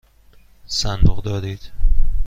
صندوق دارید؟